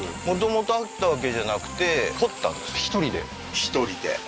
もともとあったわけじゃなくて掘ったんです１人で？